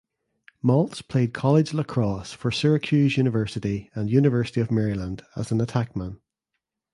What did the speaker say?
Maltz played college lacrosse for Syracuse University and University of Maryland as an attackman.